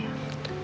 aku mau pergi pak